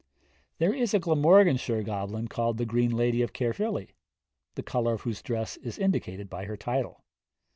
There is a Glamorganshire goblin called the Green Lady of Caerphilly, the colour of whose dress is indicated by her title.